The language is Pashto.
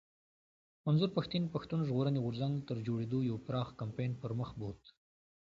منظور پښتين پښتون ژغورني غورځنګ تر جوړېدو يو پراخ کمپاين پر مخ بوت